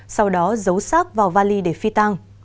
sau đó giấu sát vào vali để phi tang